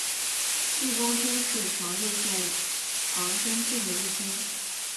一宫町是千叶县长生郡的一町。